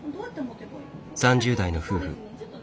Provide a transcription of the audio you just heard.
３０代の夫婦。